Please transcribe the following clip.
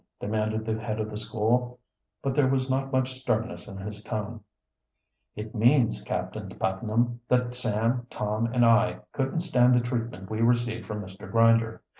demanded the head of the school, but there was not much sternness in his tone. "It means Captain Putnam, that Sam, Tom, and I couldn't stand the treatment we received from Mr. Grinder.